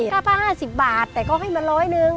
ป้า๕๐บาทแต่ก็ให้มาร้อยหนึ่ง